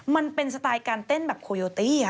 มันเป็นสไตล์การเต้นแบบโคโยตี้